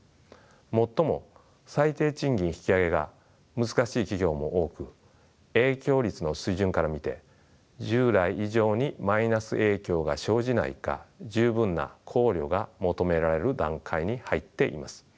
最も最低賃金引き上げが難しい企業も多く影響率の水準から見て従来以上にマイナス影響が生じないか十分な考慮が求められる段階に入っています。